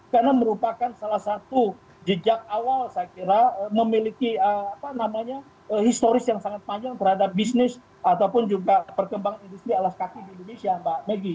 karena merupakan salah satu jejak awal saya kira memiliki apa namanya historis yang sangat panjang terhadap bisnis ataupun juga perkembangan industri alas kaki di indonesia mbak megi